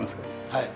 はい。